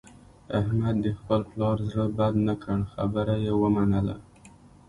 احمد د خپل پلار زړه بد نه کړ، خبره یې ومنله.